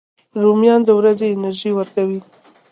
رومیان د ورځې انرژي ورکوي